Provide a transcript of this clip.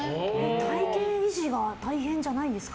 体形維持は大変じゃないですか？